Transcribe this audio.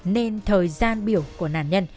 nên thời gian biểu của nạn nhân